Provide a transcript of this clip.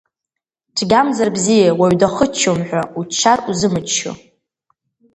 Цәгьамзар бзиа уаҩ дахыччом ҳәа, уччар узымыччо…